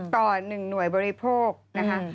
ต่อ๑หน่วยบริโภคนะคะ